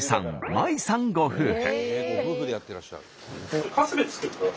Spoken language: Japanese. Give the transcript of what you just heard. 舞さんご夫婦。